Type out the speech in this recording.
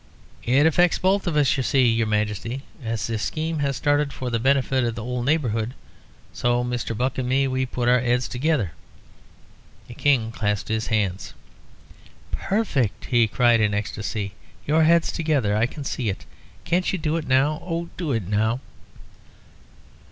"It affects both of us, yer see, yer Majesty, as this scheme was started for the benefit of the 'ole neighbourhood. So Mr. Buck and me we put our 'eads together " The King clasped his hands. "Perfect!" he cried in ecstacy. "Your heads together! I can see it! Can't you do it now? Oh, do do it now!"